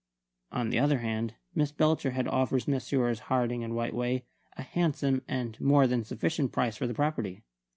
On the other hand, Miss Belcher had offered Messrs. Harding and Whiteway a handsome and more than sufficient price for the property.